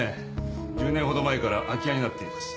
１０年ほど前から空き家になっています。